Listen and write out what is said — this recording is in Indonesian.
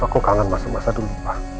kok kangen masa masa dulu pak